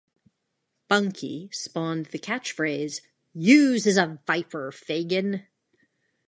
"Bunky" spawned the catchphrase, "Youse is a viper, Fagin.